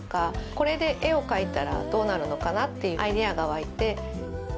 これで絵を描いたらどうなるのかなっていうアイデアが湧いて。